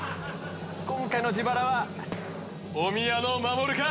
今回の自腹はおみやの真守か⁉